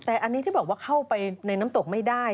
แต่อันนี้ที่บอกว่าเข้าไปในน้ำตกไม่ได้